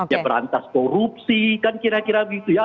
ya berantas korupsi kan kira kira begitu ya